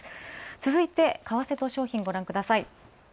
続いて為替と商品をごらんください。